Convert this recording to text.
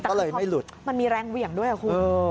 ใช่มันมีแรงเหวี่ยงด้วยครับคุณ